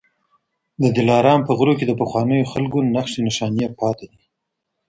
د دلارام په غرو کي د پخوانيو خلکو نښې نښانې پاتې دي